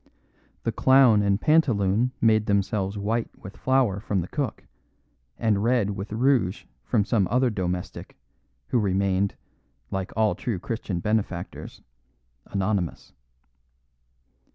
The clown and pantaloon made themselves white with flour from the cook, and red with rouge from some other domestic, who remained (like all true Christian benefactors) anonymous.